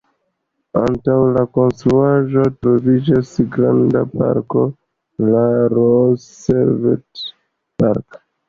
Antaŭ la konstruaĵo troviĝas granda parko, la „Roosevelt Park”.